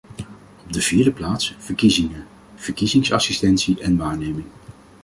Op de vierde plaats, verkiezingen: verkiezingsassistentie en waarneming.